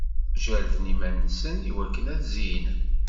Jerden iman-nsen i wakken ad-zeynen.